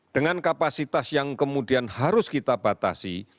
dengan kapasitas yang kemudian harus kita batasi